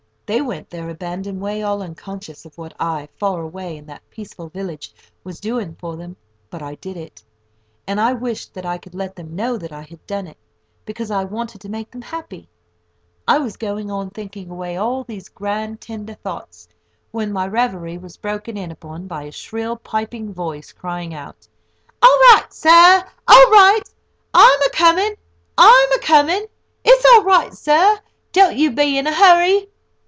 They went their abandoned way all unconscious of what I, far away in that peaceful village, was doing for them; but I did it, and I wished that I could let them know that I had done it, because I wanted to make them happy. I was going on thinking away all these grand, tender thoughts, when my reverie was broken in upon by a shrill piping voice crying out: "All right, sur, I'm a coming, I'm a coming. It's all right, sur; don't you be in a hurry."